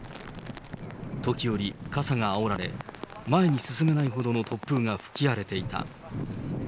時折、傘があおられ、前に進めないほどの突風が吹き荒れていた。